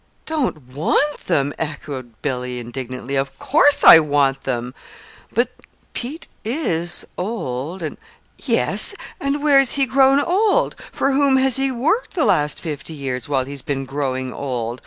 "Don't want them!" echoed Billy, indignantly. "Of course I want them!" "But Pete is old, and " "Yes; and where's he grown old? For whom has he worked the last fifty years, while he's been growing old?